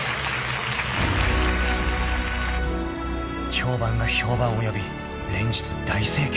［評判が評判を呼び連日大盛況］